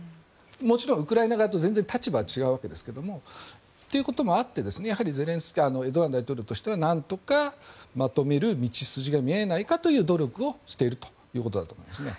もちろんウクライナ側と全然立場は違うわけですがということもあってやはりエルドアン大統領としてはなんとか、まとめる道筋が見えないかという努力をしているということだと思います。